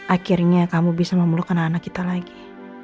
akhirnya kamu bisa memelukkan anak kita lagi